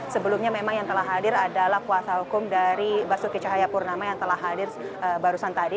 sebelumnya memang yang telah hadir adalah kuasa hukum dari basuki cahayapurnama yang telah hadir barusan tadi